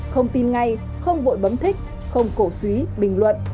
không tin ngay không vội bấm thích không cổ suý bình luận